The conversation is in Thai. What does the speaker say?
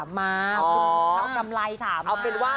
ควันไม่ต้องงงคอยพี่อ๊อฟเป็นอะไร